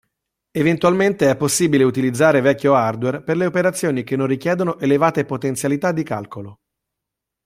Eventualmente è possibile utilizzare vecchio hardware per le operazioni che non richiedono elevate potenzialità di calcolo.